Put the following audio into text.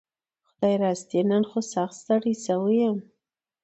خدايي راستي نن خو سخت ستړى شوي يم